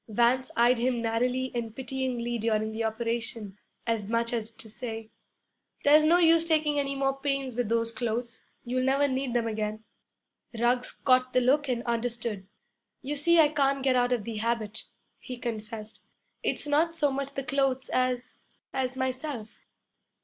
Vance eyed him narrowly and pityingly during the operation, as much as to say, 'There's no use taking any more pains with those clothes; you'll never need them again.' Ruggs caught the look and understood. 'You see I can't get out of the habit,' he confessed. 'It's not so much the clothes as as myself.'